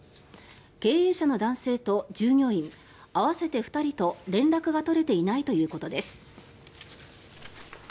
経営者の男性と従業員合わせて２人と連絡が取れていないということです。